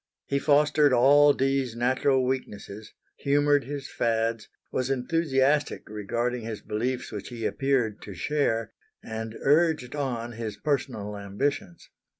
He fostered all Dee's natural weaknesses, humoured his fads, was enthusiastic regarding his beliefs which he appeared to share, and urged on his personal ambitions.